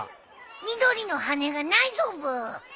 緑の羽根がないぞブー。